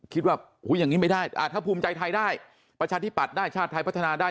คิดว่าอย่างนี้ไม่ได้ถ้าภูมิใจไทยได้ประชาธิปัตย์ได้ชาติไทยพัฒนาได้